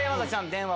電話